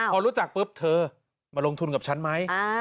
พอรู้จักปุ๊บเธอมาลงทุนกับฉันไหม